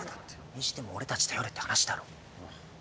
にしても俺たち頼れって話だろ？ああ。